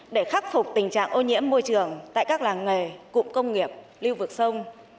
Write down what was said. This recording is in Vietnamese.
để khắc phục tình trạng ô nhiễm môi trường tại các làng nghề cụm công nghiệp lưu vực sông